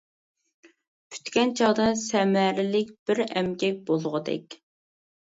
پۈتكەن چاغدا سەمەرىلىك بىر ئەمگەك بولغۇدەك.